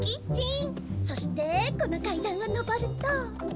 そしてこの階段を上ると。